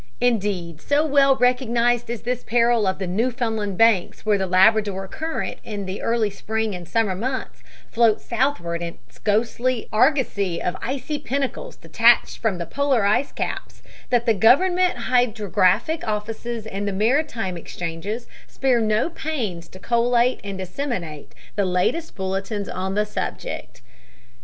Indeed, so well recognized is this peril of the Newfoundland Banks, where the Labrador current in the early spring and summer months floats southward its ghostly argosy of icy pinnacles detached from the polar ice caps, that the government hydrographic offices and the maritime exchanges spare no pains to collate and disseminate the latest bulletins on the subject.